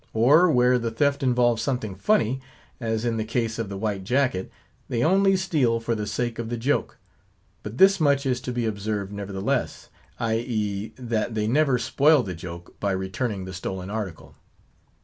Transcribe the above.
Or, where the theft involves something funny, as in the case of the white jacket, they only steal for the sake of the joke; but this much is to be observed nevertheless, i. e., that they never spoil the joke by returning the stolen article.